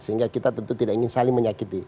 sehingga kita tentu tidak ingin saling menyakiti